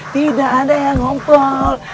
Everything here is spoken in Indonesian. tidak ada yang ngompol